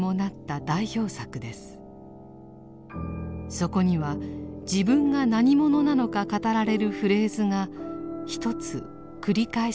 そこには自分が何者なのか語られるフレーズがひとつ繰り返し出てきます。